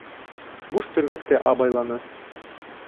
Буш төргәкте абайланы.